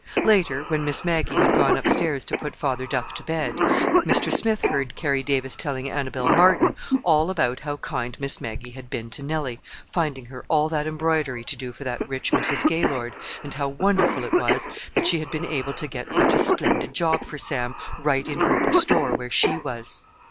Later, when Miss Maggie had gone upstairs to put Father Duff to bed, Mr. Smith heard Carrie Davis telling Annabelle Martin all about how kind Miss Maggie had been to Nellie, finding her all that embroidery to do for that rich Mrs. Gaylord, and how wonderful it was that she had been able to get such a splendid job for Sam right in Hooper's store where she was.